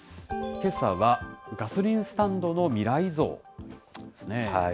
けさは、ガソリンスタンドの未来像ですね。